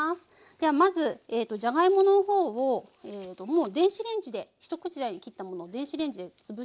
ではまずじゃがいものほうをもう電子レンジで一口大に切ったものを電子レンジでつぶしてあります。